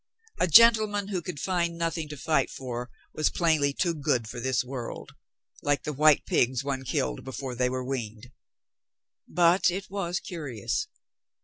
A gentleman who could find nothing to fight for was plainly too good for this world, like the white pigs one killed before they were weaned. But it was curious.